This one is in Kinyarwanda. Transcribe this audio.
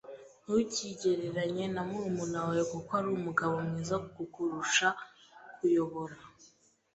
Ntukigereranye na murumuna wawe kuko ari umugabo mwiza kukurusha. (_kuyobora)